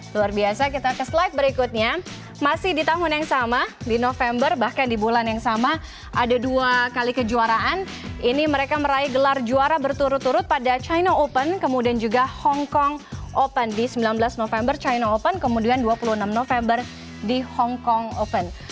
luar biasa kita ke slide berikutnya masih di tahun yang sama di november bahkan di bulan yang sama ada dua kali kejuaraan ini mereka meraih gelar juara berturut turut pada china open kemudian juga hong kong open di sembilan belas november china open kemudian dua puluh enam november di hong kong open